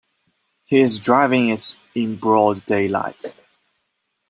He is driving it in broad daylight.